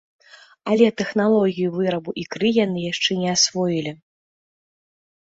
Але тэхналогію вырабу ікры яны яшчэ не асвоілі.